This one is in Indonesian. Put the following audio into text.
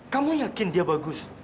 kamu yakin dia bagus